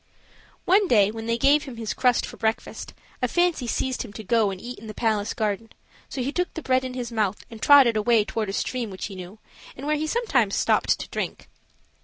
One day, when they gave him his crust for breakfast, a fancy seized him to go and eat it in the palace garden; so he took the bread in his mouth and trotted away toward a stream which he knew, and where he sometimes stopped to drink.